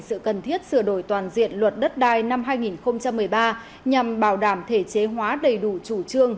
sự cần thiết sửa đổi toàn diện luật đất đai năm hai nghìn một mươi ba nhằm bảo đảm thể chế hóa đầy đủ chủ trương